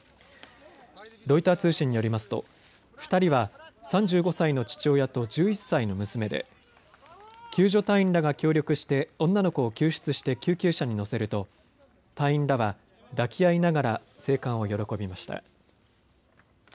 ロイター通信によりますと２人は３５歳の父親と１１歳の娘で救助隊員らが協力して女の子を救出して救急車に乗せると隊員らは抱き合いながら生還を喜びました。